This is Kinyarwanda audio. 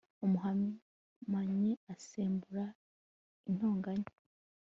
umunyamahane asembura intonganya